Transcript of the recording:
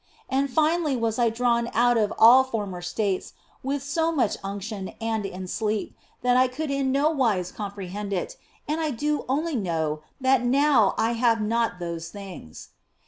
And finally I was drawn out of all former states with so much unction and in sleep, that I could in no wise comprehend it, and do only know that now I have not those things.